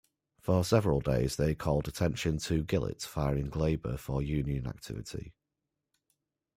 For several days they called attention to Gillett firing labor for union activity.